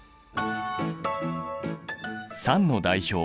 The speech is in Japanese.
酸の代表